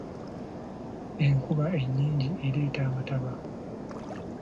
Enkuba ennyingi ereeta amataba.